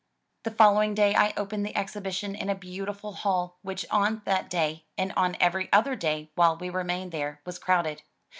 The following day I opened the exhibition in a beautiful hall, which on that day and on every other day while we remained there, was crowded.